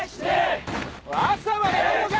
朝までやんのか！？